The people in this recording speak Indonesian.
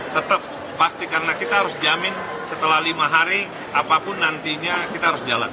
tetap pasti karena kita harus jamin setelah lima hari apapun nantinya kita harus jalan